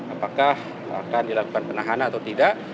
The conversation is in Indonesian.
apakah akan dilakukan penahanan atau tidak